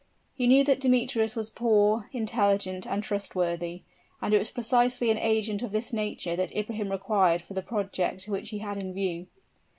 He knew that Demetrius was poor, intelligent and trustworthy; and it was precisely an agent of this nature that Ibrahim required for the project which he had in view.